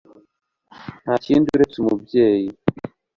Nta kindi uretse umubeshyi